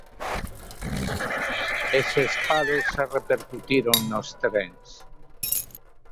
Eses paros xa repercutiron nos trens.